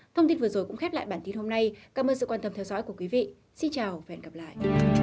thông tin vừa rồi cũng khép lại bản tin hôm nay cảm ơn sự quan tâm theo dõi của quý vị xin chào và hẹn gặp lại